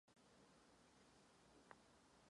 Vřele děkuji vám všem za spolupráci.